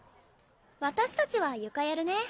私たちは床やるね。